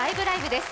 です。